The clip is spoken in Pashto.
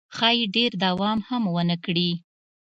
ښایي ډېر دوام هم ونه کړي.